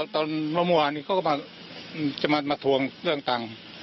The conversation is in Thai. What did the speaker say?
ตอนฮ่านี้เขาก็มาทวงเรื่องตังค์